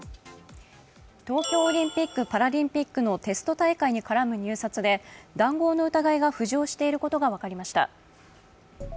東京オリンピック・パラリンピックのテスト大会に絡む入札で談合の疑いが浮上していることが分かりました。